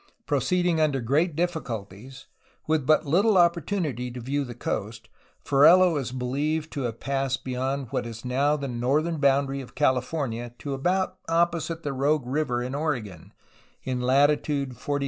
Proceeding under great difficulties, with but little opportun ity to view the coast, Ferrelo is believed to have passed beyond what is now the northern boundary of California to about opposite the Rogue River in Oregon, in latitude 42° 30'.